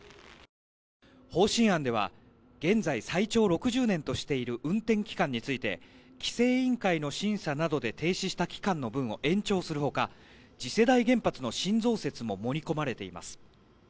方針案では現在、最長６０年としている運転期間について規制委員会の審査などで停止した期間の分を延長するほか次世代原発の新増設も盛り込まれています。